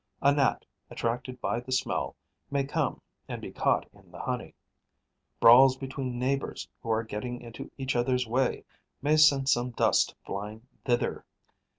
A Gnat, attracted by the smell, may come and be caught in the honey; brawls between neighbours who are getting into each other's way may send some dust flying thither.